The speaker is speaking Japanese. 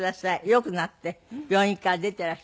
良くなって病院から出ていらした時です。